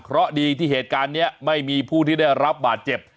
เพราะดีที่เหตุการณ์นี้ไม่มีผู้ที่ได้รับบาดเจ็บ